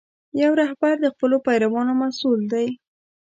یو رهبر د خپلو پیروانو مسؤل دی.